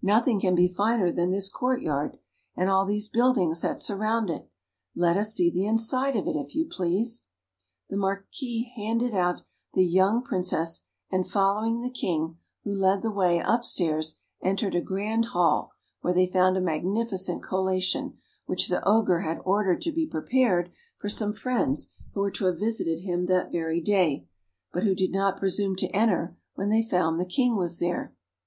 Nothing can be finer than this court yard, and all these buildings that surround it. Let us see the inside of it, if you please." The Marquis handed out the young Princess, and following the King, who led the way upstairs, entered a grand hall, where they found a magnificent collation, which the Ogre had ordered to be prepared for some friends who were to have visited him that very day, but who did not presume to enter when they found the King was there.